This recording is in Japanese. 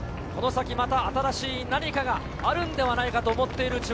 この先また新しい何かがあるのではないかと思っている。